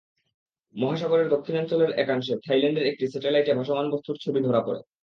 মহাসাগরের দক্ষিণাঞ্চলের একাংশে থাইল্যান্ডের একটি স্যাটেলাইটে ভাসমান বস্তুর ছবি ধরা পড়ে।